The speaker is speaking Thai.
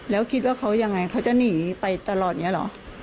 แล้วคิดว่าเขายังไงเขาจะหนีไปตลอดอย่างนี้เหรอ